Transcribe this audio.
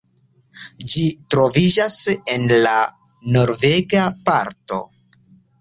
Ĝi troviĝas en la norvega parto.